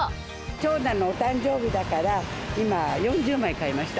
長男のお誕生日だから、今、４０枚買いました。